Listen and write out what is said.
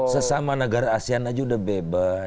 sesama negara asean aja udah bebas